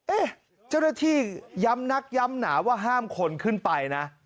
เจ้าหน้าที่ย้ำนักย้ำหนาว่าห้ามคนขึ้นไปนะ